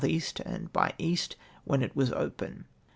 E. and by E. when it was open.